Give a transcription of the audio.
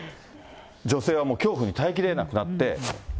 女性はもう恐怖に耐えきれなくなって。